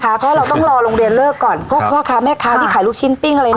เพราะเราต้องรอโรงเรียนเลิกก่อนพวกพ่อค้าแม่ค้าที่ขายลูกชิ้นปิ้งอะไรอย่างนี้